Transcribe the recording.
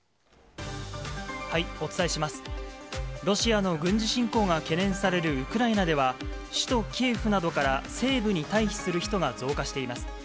ロシアの軍事侵攻が懸念されるウクライナでは、首都キエフなどから、西部に退避する人が増加しています。